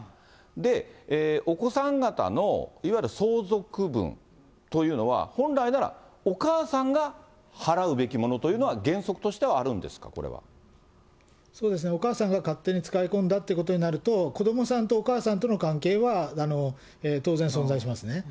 で、お子さん方の、いわゆる相続分というのは、本来ならお母さんが払うべきものというのは、原則としてはあるんですか、そうですね、お母さんが勝手に使い込んだということになると、子どもさんとお母さんとの関係は、当然存在しますね。